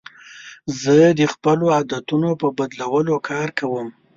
زه د خپلو عادتونو په بدلولو کار کوم.